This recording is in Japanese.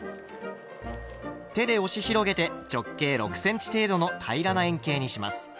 手で押し広げて直径６ｃｍ程度の平らな円形にします。